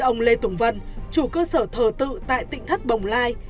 tin ông lê tùng vân chủ cơ sở thờ tự tại tịnh thất bồng lai